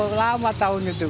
itu udah lama tahun itu